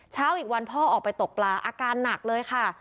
เช้าอีกวันพ่อออกไปตกปลาอาการหนักเลยค่ะ